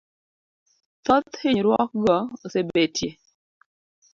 Thoth hinyruokgo osebetie